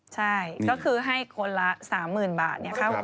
ใช่ก็คือให้คนละ๓๐๐๐๐บาทค่าหัวตก